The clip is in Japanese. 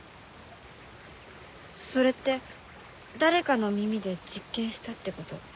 それって誰かの耳で実験したってこと？